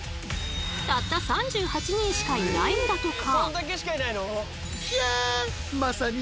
たった３８人しかいないんだとか。